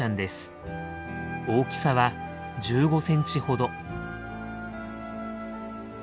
大きさは１５センチほど。